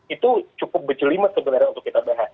itu cukup bejelimet sebenarnya untuk kita bahas